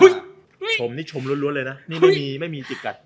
ชมนี่ชมล้วนเลยนะนี่ไม่มีไม่มีสิทธิ์กัด